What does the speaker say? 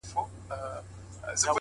په سلايي باندي د تورو رنجو رنگ را واخلي،